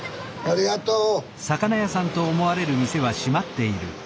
ありがとう！